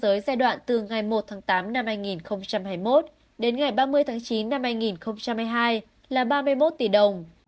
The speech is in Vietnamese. tới giai đoạn từ ngày một tháng tám năm hai nghìn hai mươi một đến ngày ba mươi tháng chín năm hai nghìn hai mươi hai là ba mươi một tỷ đồng